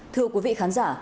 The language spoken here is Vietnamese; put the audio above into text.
thưa quý vị khán giả